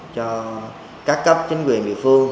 cho các cấp chính quyền địa phương